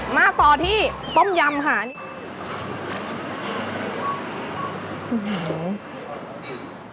มาต่อที่ต้มยำค่ะ